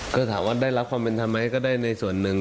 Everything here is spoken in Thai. ก็ถามว่าได้รับความเป็นธรรมไหมก็ได้ในส่วนหนึ่ง